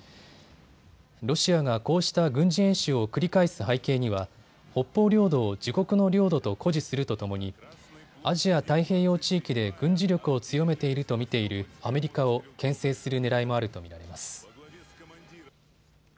ロシアがこうした軍事演習を繰り返す背景には北方領土を自国の領土と誇示するとともにアジア太平洋地域で軍事力を強めていると見ているアメリカをけん制するねらいもあると見られます。